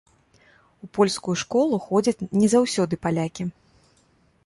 У польскую школу ходзяць не заўсёды палякі.